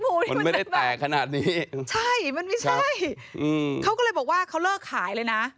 มันไม่ได้แตกขนาดนี้ใช่มันไม่ใช่อืมเขาก็เลยบอกว่าเขาเลิกขายเลยนะ